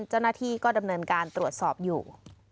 เจ้าหน้าที่ก็ดำเนินการตรวจสอบอยู่